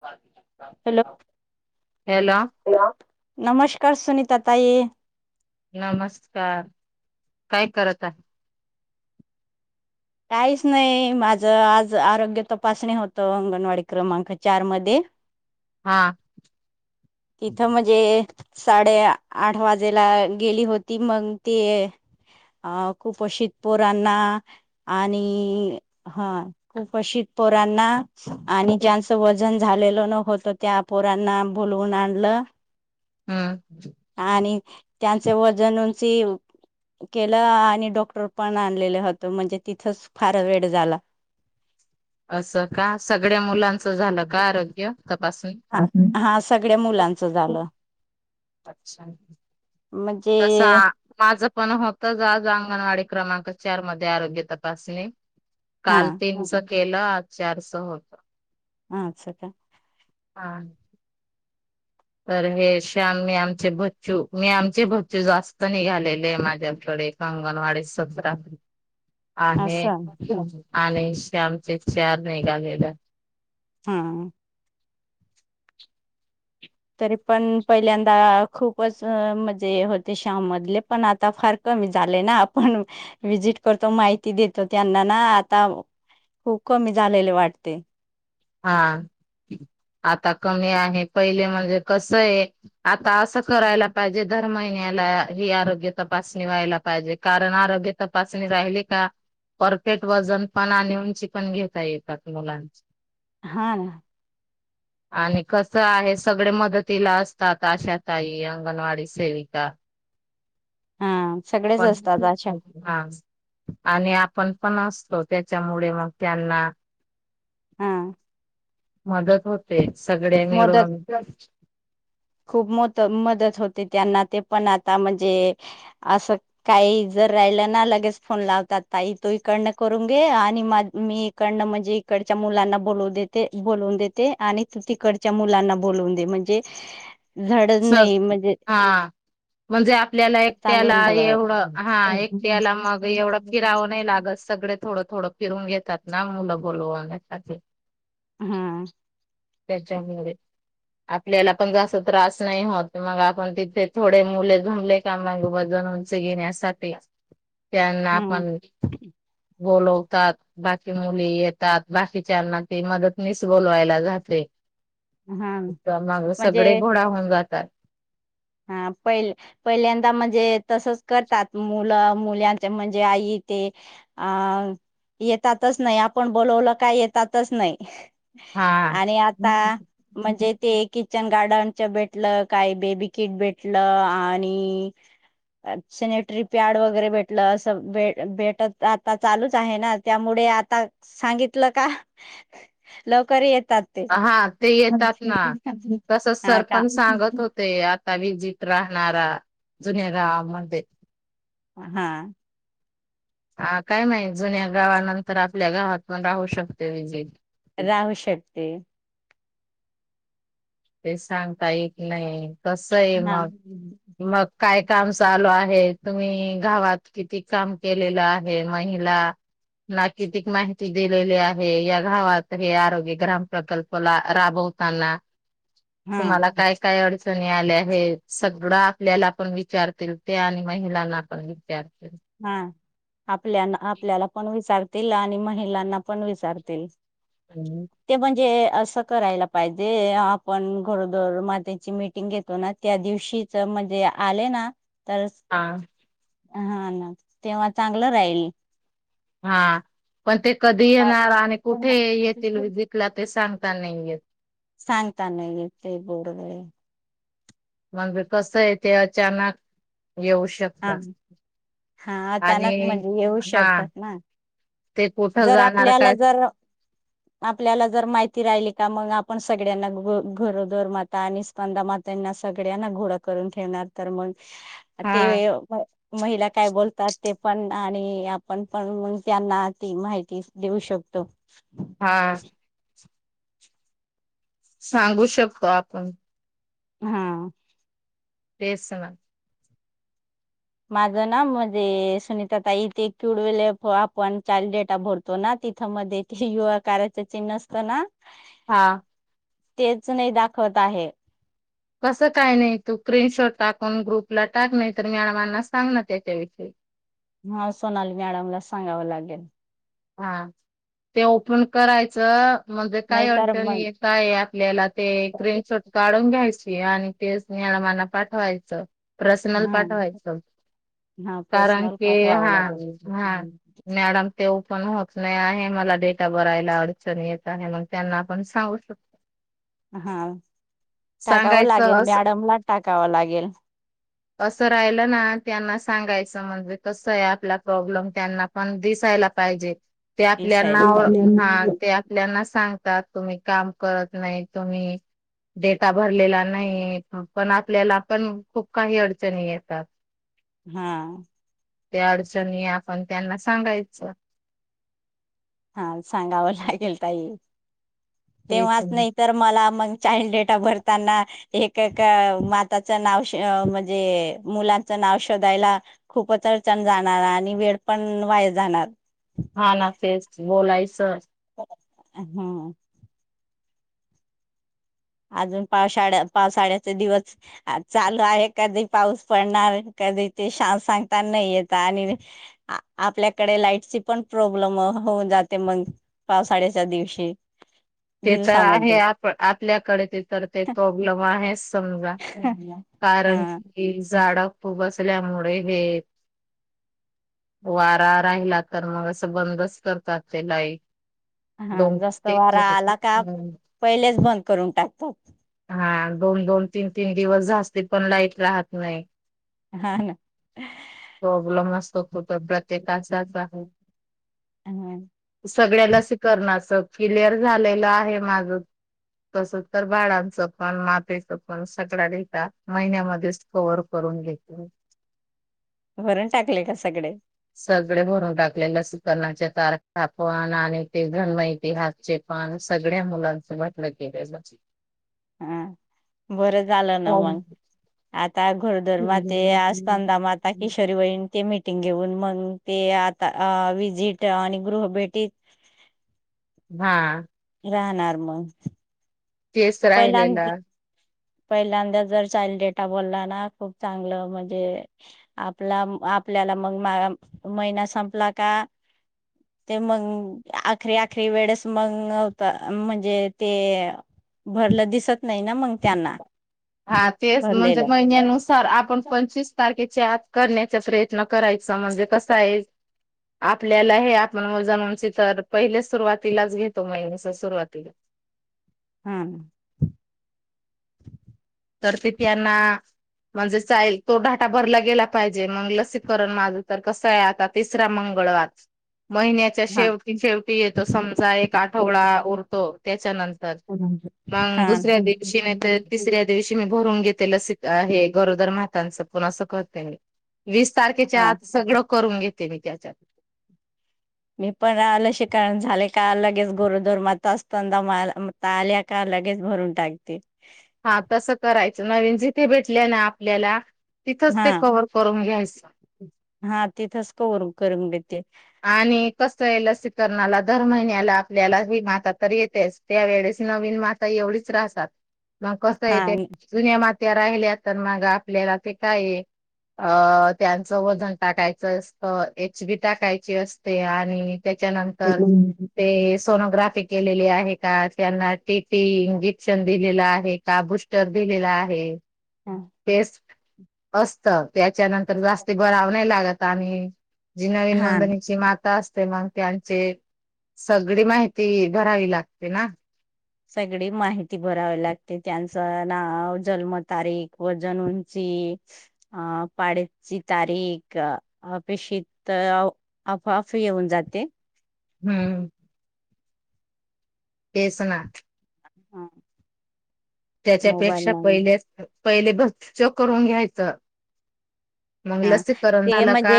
ह [unintelligible] hello hello नमस्कार सुनीता ताई नमस्कार काय करत आहे काहीच नाही माझं आज आरोग्य तपासणी होतं अंगणवाडी क्रमांक चार मध्ये हा तिथं म्हणजे साडे आठ वाजेला गेली होती मग ते अ खूप अशी पोरांना आणि हा खूप अशी पोरांना आणि ज्यांचं वजन झालेलं न होतं त्या पोरांना बोलवून आणला हम् त्यांचे वजनं ची केलं आणि डॉक्टर पण आणलेलं होतं म्हणजे तिथच फार वेळ झाला असं का सगळ्या मुलांचं झालं का आरोग्य तपासणी हा सगळ्या मुलांचं झालं अच्छा म्हणजे तस माझ पण होत जाग अंगणवाडी क्रमांक चार मध्ये आरोग्य तपासणी हा काल तीन केलं चारस होत हा असं का हा तर हे श्यामी आमचे बच्चू मी आमचे बच्चू जास्त निघालेले आहे माझ्या क कांगण वा सज [unintelligible] आहे असं आणि श्यामचे चार नाही घालेलं हम्म तरी पण पहिल्यांदा खूपच मजे होते श्याम मधले पण आता फार क झाले ना आपण विजिट करतो माहिती देतो त्यांना ना आता खूप कमी झालेले वाटते हा आता कमी आहे पहिले म्हणजे कसं आहे आता असं करायला पाहिजे दर महिन्यात लाया हि आरोग्य तपासणी व्हायला पाहिजे, कारण आरोग्य तपासणी झाली का परफेक्ट वजन पण आणि उंची पण घेता येतात मुलांची हा [inaudible] आणि कसं आहे सगळे मदतीला असतात. आशाताई, अंगणवाडी सेविका, हा! सगळेच असतात अशा हा आणि आपण पण असतोचं. त्याच्यामुळे मग त्यांना, हा! मदत होते. सगळे मदत मिळून खूप मोतं मदत होत ते त्यांना ते पण आता म्हणजे, अस काही जर राहिलं ना लगेच फोन लावता. ताई तू इकडं करून घे आणि मा मी इकडं म्हणजे, इकडच्या मुलांना बोलवू देते बोल वून देते आणि तू तिकडच्या मुलांना बोलवून दे म्हणजे, झडच सग नाही म्हणजे हा म्हणजे आप ल्याला एकट्याला चांगलं झालं. एवढं हा एकट्याला मग एवढं फिरावं नाही लागत सगळे थोडं - थोडं थोडं फिरून घेतात ना मुलं बोलवण्यासाठी. हम्म! त्याच्यामुळे आपल्याला पण जर असा त्रास, नाही होत. मग आपण तिथे थोडे मुले जमले का म वजन उंची घेण्यासाठी, त्यांना हा आपण बोलव. तात. बाकी मुले येतात बाकीच्यांना ते मदतनीस बोलवायला जाते. हा मग म्हणजे सगडे गोळा होऊन जातात. हा पहिल पहिल्यांदा म्हणजे तसंच करतात मुलं मुल्यांच्या म्हणजे आई ते अ येतातच नाही आपण बोलवलं का येतातच नाही. हा आणि आता म्हणजे ते किचन गार्डनचं भेटलं काही बेबी, किट भेटलं आणि अ सॅनिटरी पॅड वगैरे भेटलं असं भेट भेटतं आता चालूच आहे ना त्यामुळे ते आता सांगितल का लवकर येत. आ हा ते येतात ना तसंच हा का सरपंच सांगत होते. कवी जीत राहणारा जुन्या गावामध्ये, हा! हा काय माहित जुन्या गावानंतर आपल्या गावात पण राहू शकते विजिट. राहू शकते. ते सांगता येत नाही, कसं आहे हा मग मग काय काम चालू आहे, तुम्ही गावात किती काम केलेलं आहे, महिला ना कितिक माहिती दिलेली आहे या गावात हे आरोग्य ग्राम प्रकल्पला राबव ताना हा तुम्हाला काय काय अडच चणी आल्या आहेत, सगळं आपल्याला पण विचारतील ते आणि महिलांना पण विचारतील. हा आपल्याना आपल्याला पण विचारतील आणि महिलांना पण विचारतील. ते म्हणजे, असं करायला पाहिजे आपण गरोदर मातेची मीटिंग घेतो ना त्या दिवशीच म्हणजे आले ना! तर हा! हा ना तेव्हा चांगलं राहील. हा पण ते, कधी का- येणार आणि कुठे येतील विजिट ला, ते सांगता नाही येत. सांगता नाही ते [unintelligible] मग कसं आहे ते अचानक येऊ हा शकतात. हा अचानक आणि म्हणजे येऊ हा! शकतात ना ते कुठं जर जाणार आपल्याला काय जर आपल्याला जर माहिती राहिली. त्या मग आपण सगळ्यांना घरोदर माता आणि स्कंदा मात्यांना सगळ्यांना घोड करून ठेवणार. तर मग हा ते महिला काय बोलतात ते पण, आणि आपण पण त्यांना ती माहिती देऊ शकतो. हा. सांगू शकतो आपण हा. तेच ना माझं ना म्हणजे सुनीता ताईथे कवडवेले आपण चाल्ड डेटा भरतो ना तिथं मध्ये युवा कारयचं चिन्ह असत ना हा. तेच नाही दाखवत आहे. कसं काय नाही तू स्क्रीनशॉट टाकून ग्रुपला टाक नाही तर मॅडमांना सांग ना त्याच्याविषयी हा सोनाली मॅडमला सांगावं लागेल. हा ते ओपन करायचं म्हणजे काय नाहीतर अटल मग काय आपल्याला ते क्रीन शोट काढून घ्यायचे आणि तेच न मना पाठवायचं पर्सनल हा पाठवायचं. हा कारण पर्सनल क हा पाठवावं लागेल. हा मॅडम ते पण होत नाही आहे मला डेटा भरायला अडचण येत आहे मग त्यांना आपण सांगू शकतो. हा टाकावं सांगायचं लागेल अस मॅडमला टाकावं लागेल. असं राहिलं ना त्यांना सांगायचं म्हणजे कस आहे आपला प्रॉब्लेम त्यांना पण दिसायला जे ते आपल्या दिसायला हा पाहिजे. ते आपल्यांना सांगतात तुम्ही काम करत नाही तुम्ही डेटा भरलेला नाही पण आपल्याला पण खूप काही अडचणी येतात. हा. त्या अडचणी आपण त्यांना सांगायचं. हा सांगावं लागेल ताई हेच तेव्हाच नाही तर मला मग चाईल्ड डेटा भरताना एक एक माताच नाव म्हणजे मुलांच नाव शोधायला खूपच अडचण जाणार आणि वेळ पण वाय जाणार. हा ना तेच बोलायचं. हम्म. अजून पावसाळ्या पावसाळ्याचे दिवस चालू आहे. कधी पाऊस पडणार कधी ते शान सांगता नाही येत आणि आपल्याकडे लाईट पण प्रॉब्लेम होऊन जाते मग पावसाळ्याच्या दिवशी ते तर दिवसामध्ये आहे आप आपल्याकडे तर ते प्रॉब्लेम आहे समजा कारण हा की झाड बसल्यामुळे हे वारा राहिला तर मग असं बंदच करतात ते लाईट हा दोन जस्त ते वारा आला का पहिलेच बंद करून टाकतात. हा दोन दोन तीन तीन दिवस जास्ती पण लाईट राहत नाही. हा ह. प्रॉब्लेम असतो प्रत्येकाचाच हा. सगळ्याला अस करणारत क्लिअर झालेलं आहे माझ तस तर बाळां पण मातेचं पण सगळ्या लता महिन्यामध्येच कवर्ह करून घेते. [unintelligible] वरून टाकले का सगळ सगळे भरून टाकले लसी करणाच्या तारख पण आणि ते भण्महिती हातचे पण सगळ्या मुलांसोबत ल गेलंज. हा बरं झालं ना मग आ घोरदर माते स्कंद माता किशोरी वहिण ते मि टिंग घेऊन मग ते आता विजिट आणि गृह भेटीत हा. राहणार मग तेच राहिलेला पहिल्यांद पहिल्यांदा जर चाल डेटा बोलला ना खूप चांगलं म्हणजे आपला आपल्याला मग मा महिना संपला का ते मग अखरी अखरी वेळेस मग होता म्हणजे ते भरलं दिसत नाही ना मग त्यांना हा तेच म्हणजे भरलेलं महिन्यानुसार आपण पंचवीस तारखे त [unintelligible] करण्याचा प्रयत्न करायचा म्हणजे कसा आहे आपल्याला हे आपण वजणंची तर पहिले सुरुवातीलाच घेतो महिन्याच्या सुरुवातीला [inaudible] हम् तरतीितयाना [unintelligible] म्हणजे चाईल तो डाटा भरला गेला पाहिजे मग लसीकरण माझं तर कसं आहे आता तिसरा मंग मंगळवारच महिन्याच्या हा शेवटी शेवटी येतो समजा एक आठवडा उरतो त्याच्यानंत मग हा दुसऱ्या दिवशी तर तिसऱ्या शी मी भरून घेत [unintelligible] गरोदर मातांच पण अस करते म वीस तारखेच्या हा आता सगळं करून घेते मी त्याच्यात मी पण ल शिकण झाले का लगेच गोरदोर मात असत आल्या का [unintelligible] लगेच भरून टाकते हा तसं करायचं नवीन जिथे भेटल्या ना आपल्याला तिथंच हा ते कव्हर करून घ्यायच हा तिथंच कवर करून देते आणि कस आहे लसीकरणाला दर महिन्याला आपल्याला हे माता तर येतेच त्यावेेळेस नवीन माता एवढीच राहतात मग कस हा येते जु्न्या माता त्या राहिल्या तर मग आपल्याला ते काय अ त्यांचं वजन टाकायचं असत एच बी टाकायच अस आणि त्याच्या नंतर सोनोग्राफी केलेली आहे का त्यांना टीटी इंजेक्शन दिलेला आहे का बुस्टर दि दिलेला आहे टेस्ट असत त्याच्यानंतर जास्त गराव नाही लागत आणि जिनवी हा नोंदणीची माात अस ते मग त्यांचे सगळी माहिती भरावी लागते ना सगळी माहिती भरावी लागते त्यांचं नाव जन्मतारीख व जनूंची [unintelligible] [unintelligible] पाडची तारीख अपेक्षित फाफ येऊन जाते हम्म तेच ना हा [unintelligible] मोबाईल त्याच्यापेक्षा नंबर पहिले पहिले बचच करून घ्यायचं मग हा लसीकरण ते झालं का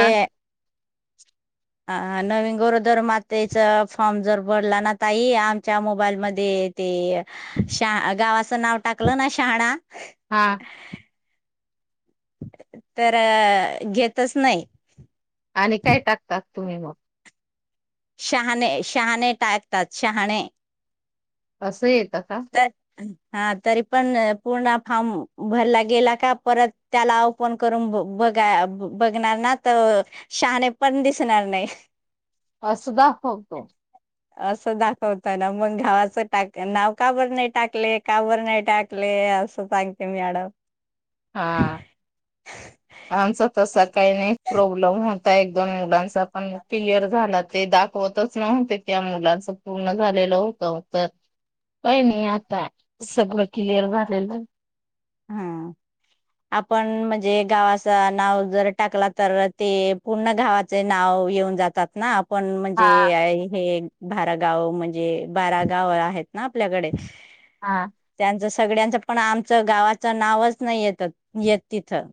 ह नवीन गरोदर मातेच फॉर्म जर भरला ना ताई आमच्या मोबाईलमध्ये ते शहा गावाचं नाव टाकलं ना शहाणा हा तर घेतच नाही आणि काय टाकतात तुम्ही मग शहाणे- शहाणे टाकतात शहाणे - असेच. काय हां - हा तरी पण पूर्ण फारम भरला गेला का परत त्याला ओपन करून - बघा बघणार ना तर शहाणे पण दिसणार नाही. [unintelligible] असं दाखवत ना मग गावाचं टाक नाव - का बर नाही टाकले का बर नाही टाकले असं सांगते मॅडम - हा आमचा तसा काही नाही प्रॉब्लेम होत. एक दोन मुलांचा पण क्लिअर झाला. ते दाखवतच नव्हते त्या मुलांच पूर्ण झालेलं होतं - काही नाही आता सगळं क्लिअर झालेलं. हा आपण म्हणजे गावाच नाव जर टाकला तर ते पूर्ण गावाचे नाव - येऊन जातात ना - पण म्हणजे हा. हे बारा गाव म्हणजे बारा गाव आहेत ना आपल्याकडे- हां त्यांच सगळ्यांचं पण आमचं गावाचं नावच नाही येत- येत तिथं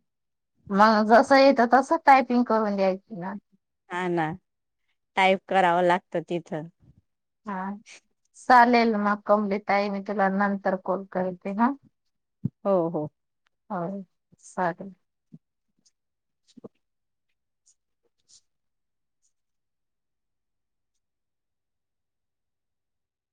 मग जस येतं तस टायपिंग करून द्यायची ना - ह ना टाईप करावं लागतं तिथं! हां चालेल मग कंपनीत आहे मी तुला नंतर कॉल करते ह! हो -हो होय चालेल -